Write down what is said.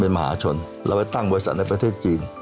เป็นมหาชนเราไปตั้งบริษัทในประเทศจีน